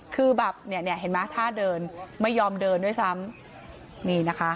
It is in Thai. คือแบบเนี่ยเห็นไหมท่าเดินไม่ยอมเดินด้วยซ้ำนี่นะคะ